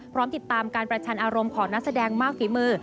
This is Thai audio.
พร้อมติดตามการประชันอารมณ์ของนักแสดงมากฝีมือ